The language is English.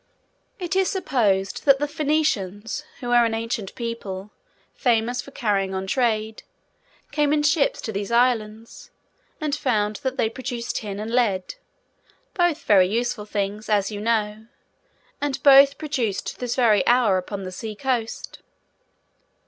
It is supposed that the Phœnicians, who were an ancient people, famous for carrying on trade, came in ships to these Islands, and found that they produced tin and lead; both very useful things, as you know, and both produced to this very hour upon the sea coast.